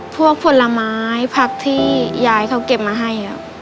พวกผลไม้ผักที่ยายเขาเก็บมาให้